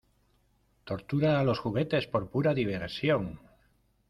¡ Tortura a los juguetes por pura diversión!